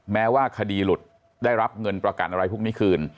แม้ว่าคดีหลุดได้รับเงินประกันอะไรพวกนี้คืน